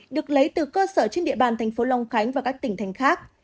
được lấy từ cơ sở trên địa bàn thành phố long khánh và các tỉnh thành khác